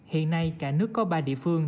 hiện nay cả nước có ba địa phương